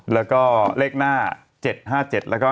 แล้วก็เลขหน้า๗๕๗แล้วก็